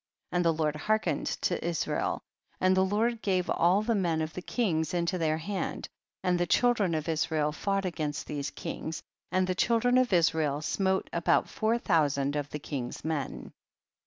35. And the Lord hearkened to Israel, and the Lord gave all the men of the kings into their hand, and the children of Israel fought against these kings, and the children of Israel smote about four thousand of the kings' men.